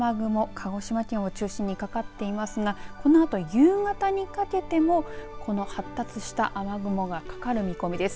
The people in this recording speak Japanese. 鹿児島県を中心にかかっていますがこのあと、夕方にかけてもこの発達した雨雲がかかる見込みです。